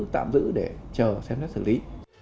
tạm giữ để chờ xem xét xử lý